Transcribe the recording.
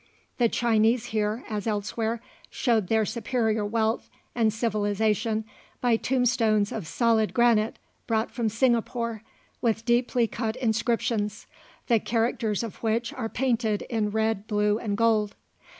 The Chinese here, as elsewhere, showed their superior wealth and civilization by tombstones of solid granite brought from Singapore, with deeply cut inscriptions, the characters of which are painted in red, blue, and gold.